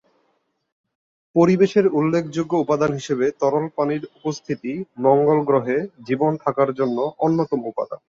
পরিবেশের উল্লেখযোগ্য উপাদান হিসেবে তরল পানির উপস্থিতি মঙ্গল গ্রহে জীবন থাকার জন্য অন্যতম উপাদান।